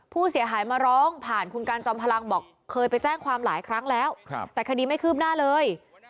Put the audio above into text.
ผู้เสียหายมาร้องผ่านคุณการจอมพลังบอกเคยไปแจ้งความหลายครั้งแล้วแต่คดีไม่คืบหน้าเลย